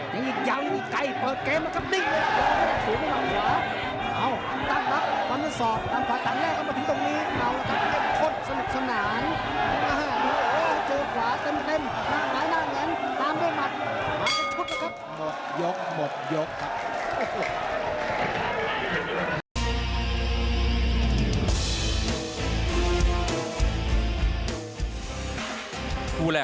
ยังอีกยาวยังมีใกล้เปิดเกมละครับดิ้งเลย